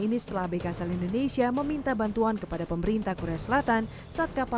ini setelah abk asal indonesia meminta bantuan kepada pemerintah korea selatan saat kapal